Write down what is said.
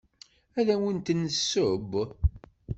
Ad awent-d-nesseww.